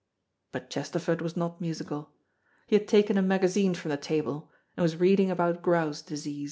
But Chesterford was not musical; he had taken a magazine from the table, and was reading about grouse disease.